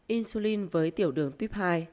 insulin với tiểu đường tiếp hai